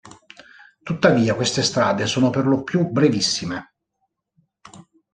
Tuttavia queste strade sono per lo più brevissime.